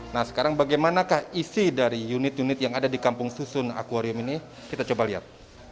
nah sekarang bagaimanakah isi dari unit unit yang ada di kampung susun akwarium ini kita coba lihat